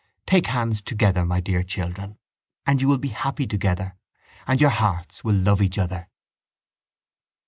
Take hands together, my dear children, and you will be happy together and your hearts will love each other.